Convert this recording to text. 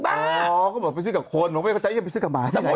อ๋อก็บอกว่าไปซื้อกับคนไม่เข้าใจว่าจะไปซื้อกับหมาไหมล่ะ